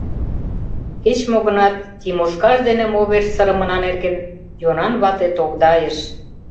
Кеч-мо гынат Тимошкаж дене мо верч сырымына нерген Йонан вате тогдайыш.